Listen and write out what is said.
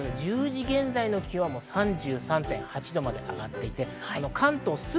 １０時現在の気温３３．８度まで上がっています。